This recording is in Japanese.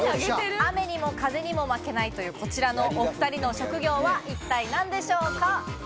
雨にも風にも負けないというこちらのお二人の職業は一体何でしょうか？